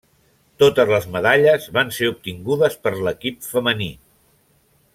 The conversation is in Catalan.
Totes les medalles van ser obtingudes per l'equip femení.